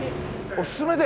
おすすめで。